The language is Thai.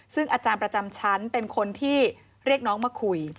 ซึ่งอาจารย์ประจำชั้นเป็นคนที่เรียกน้องมาคุย